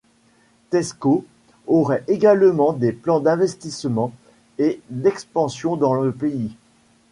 Tesco aurait également des plans d'investissement et d'expansion dans le pays.